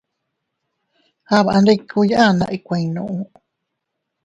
Aaban ndikuu yaanna ikuuinnu.